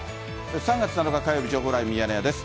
３月７日火曜日、情報ライブミヤネ屋です。